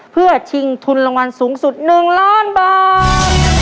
เพื่อชิงทุนรางวัลสูงสุด๑ล้านบาท